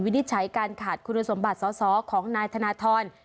วินิจฉัยการขาดคุณภาษาสมบัติซ้อของนายธนทร